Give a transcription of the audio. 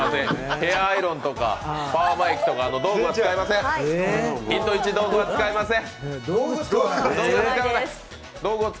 ヘアアイロンとかパーマ液とか、道具は使いません。